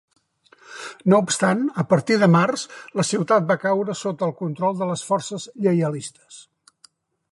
No obstant, a partir de març, la ciutat va caure sota el control de les forces lleialistes.